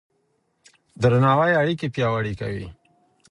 درناوی اړيکې پياوړې کوي.